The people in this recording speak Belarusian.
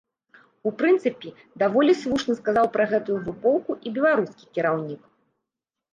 У прынцыпе, даволі слушна сказаў пра гэтую групоўку і беларускі кіраўнік.